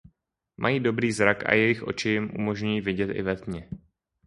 Mají dobrý zrak a jejich oči jim umožňují vidět i ve tmě.